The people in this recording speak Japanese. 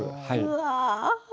うわ